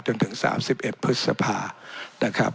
จนถึงสามสิบเอ็ดพฤษภานะครับ